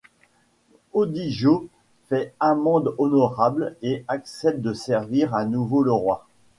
Audijos fait amende honorable et accepte de servir à nouveau le roi.